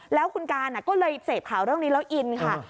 แล้วคุณการก็เลยเสพข่าวเรื่องนี้แล้วอินค่ะ